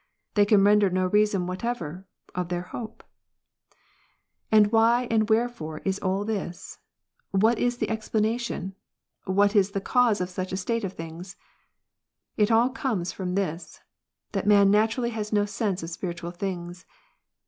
They can render no reason whatever of their own hope. And whv; ai\d wherefore is all this 1 What is the explana tion ? What is the cause of such a state of things ? It all comes from this, that man naturally has no sense of spiritual things.